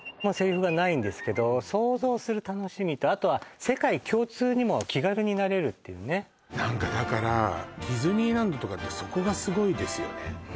セリフがないんですけどとあとは世界共通にも気軽になれるっていうね何かだからディズニーランドとかってそこがすごいですよね